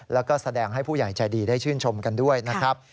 แล้วก็แสดงให้ผู้ใหญ่ใจดีได้ชื่นชมกันด้วยนะครับ